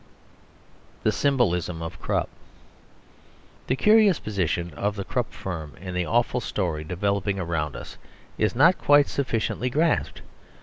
THE SYMBOLISM OF KRUPP The curious position of the Krupp firm in the awful story developing around us is not quite sufficiently grasped.